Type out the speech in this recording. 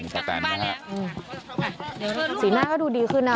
ป้าแต่นนะฮะอืมสีหน้าก็ดูดีขึ้นอ่ะ